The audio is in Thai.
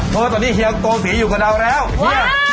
เพราะว่าตอนนี้เฮียโกงผีอยู่กับเราแล้วเฮีย